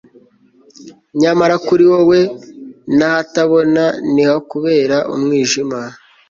nyamara kuri wowe, n'ahatabona ntihakubera umwijima